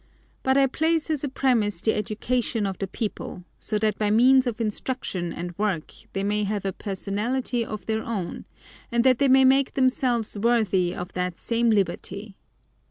But I place as a premise the education of the people, so that by means of instruction and work they may have a personality of their own and that they may make themselves worthy of that same liberty.